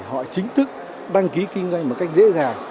họ chính thức đăng ký kinh doanh một cách dễ dàng